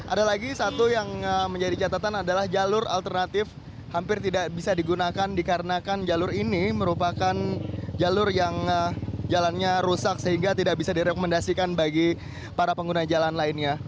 ada lagi satu yang menjadi catatan adalah jalur alternatif hampir tidak bisa digunakan dikarenakan jalur ini merupakan jalur yang jalannya rusak sehingga tidak bisa direkomendasikan bagi para pengguna jalan lainnya